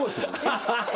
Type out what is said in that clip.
ハハハ